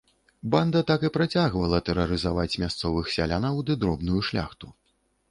Банда так і працягвала тэрарызаваць мясцовых сялянаў ды дробную шляхту.